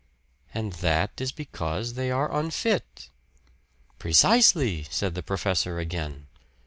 "And that is because they are unfit." "Precisely," said the professor again.